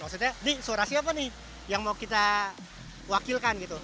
jadi saya bilang nih suara siapa nih yang mau kita wakilkan gitu